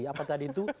apa tadi itu